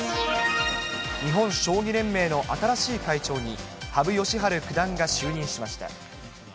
日本将棋連盟の新しい会長に、羽生善治九段が就任しました。